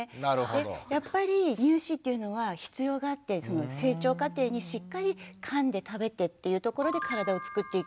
でやっぱり乳歯というのは必要があって成長過程にしっかりかんで食べてっていうところで体をつくっていくので。